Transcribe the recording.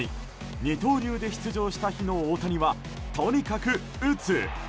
二刀流で出場した日の大谷はとにかく打つ。